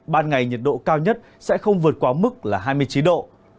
ban ngày nhiệt độ cao nhất sẽ không vượt quá mức là hai mươi chín độ